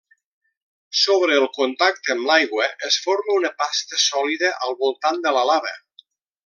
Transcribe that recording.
Sobre el contacte amb l'aigua, es forma una pasta sòlida al voltant de la lava.